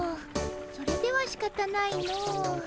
それではしかたないの。